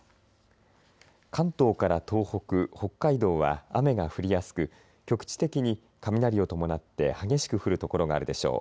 関東から東北、北海道は雨が降りやすく局地的に雷を伴って激しく降る所があるでしょう。